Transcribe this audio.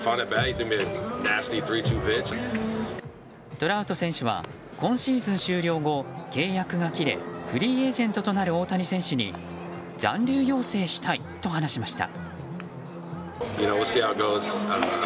トラウト選手は今シーズン終了後契約が切れフリーエージェントとなる大谷選手に残留要請したいと話しました。